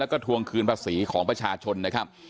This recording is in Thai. แล้วก็ทวงคืนภาษีของประชาชนนะครับ